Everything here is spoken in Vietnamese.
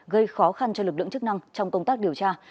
gây khó khăn cho lực lượng chức năng trong công tác điều tra